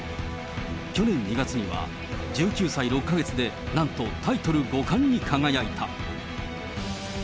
去年２月には、１９歳６か月で、なんとタイトル五冠に輝いた。